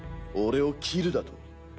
俺を斬るだと？